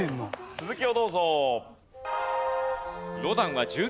続きをどうぞ。